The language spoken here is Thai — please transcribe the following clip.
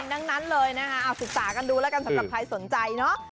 ดังนั้นเลยนะคะเอาศึกษากันดูแล้วกันสำหรับใครสนใจเนอะ